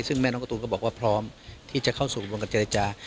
ซึ่งแม่น้องการ์ตูนก็บอกว่าพร้อมที่จะเข้าสู่กระบวนการเจรจา